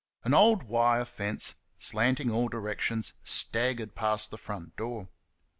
An old wire fence, slanting all directions, staggered past the front door.